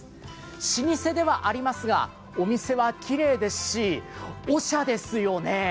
老舗ではありますが、お店はきれいですし、オシャですよね。